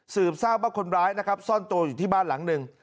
ทราบว่าคนร้ายนะครับซ่อนตัวอยู่ที่บ้านหลังหนึ่ง